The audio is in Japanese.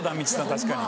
確かに。